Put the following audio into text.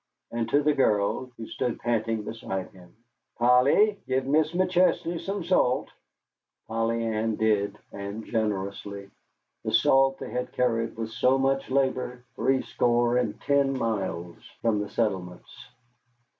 And to the girl who stood panting beside him, "Polly, give Mis' McChesney some salt." Polly Ann did, and generously, the salt they had carried with so much labor threescore and ten miles from the settlements.